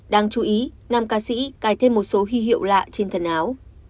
đáng chú ý năm ca sĩ cài thêm một số huy hiệu lạ trên thần áo